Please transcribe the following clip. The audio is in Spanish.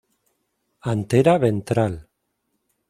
Antera ventral.